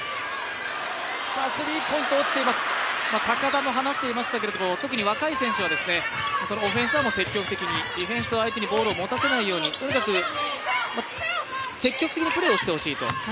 高田も話していましたが特に若い選手はオフェンスは積極的にディフェンスは相手にボールを持たせないようにとにかく積極的にプレーをしてほしいと。